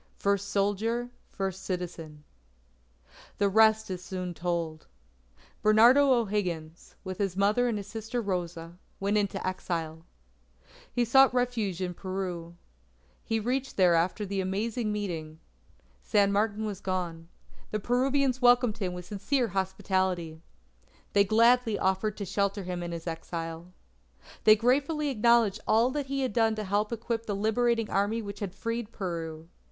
FIRST SOLDIER, FIRST CITIZEN The rest is soon told. Bernardo O'Higgins, with his mother and his sister Rosa, went into exile. He sought refuge in Peru. He reached there after the Amazing Meeting. San Martin was gone. The Peruvians welcomed him with sincere hospitality. They gladly offered to shelter him in his exile. They gratefully acknowledged all that he had done to help equip the Liberating Army which had freed Peru.